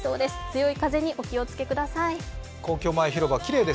強い風にお気をつけください。